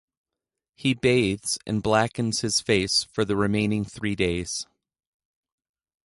He bathes and blackens his face for the remaining three days.